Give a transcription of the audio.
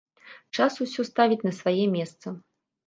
Час усё ставіць на свае месца.